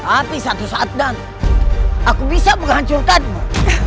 tapi satu saat dan aku bisa menghancurkanmu